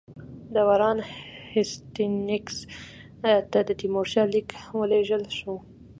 د وارن هېسټینګز ته د تیمورشاه لیک ولېږل شو.